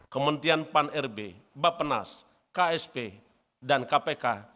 kementerian pan rb bapenas ksp dan kpk